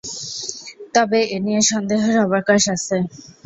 তবে এ' নিয়ে সন্দেহের অবকাশ আছে।